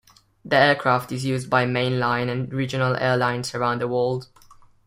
The aircraft is used by mainline and regional airlines around the world.